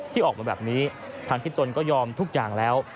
ที่ออกมาแบบนี้ทั้งที่ตนก็ยอมทุกอย่างแล้ว